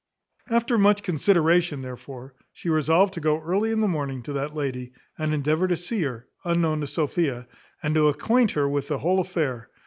After much consideration, therefore, she resolved to go early in the morning to that lady, and endeavour to see her, unknown to Sophia, and to acquaint her with the whole affair.